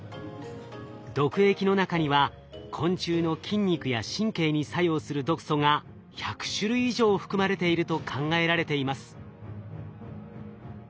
毒液の中には昆虫の筋肉や神経に作用する毒素が１００種類以上含まれていると考えられています。